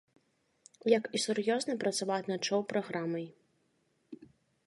Як і сур'ёзна працаваць над шоў-праграмай.